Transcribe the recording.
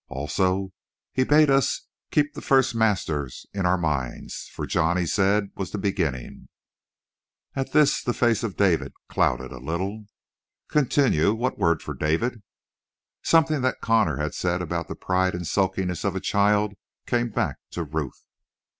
"Also, he bade us keep the first master in our minds, for John, he said, was the beginning." At this the face of David clouded a little. "Continue. What word for David?" Something that Connor had said about the pride and sulkiness of a child came back to Ruth.